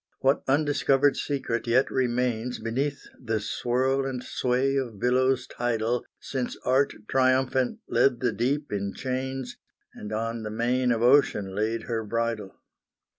What undiscovered secret yet remains Beneath the swirl and sway of billows tidal, Since Art triumphant led the deep in chains, And on the mane of ocean laid her bridle.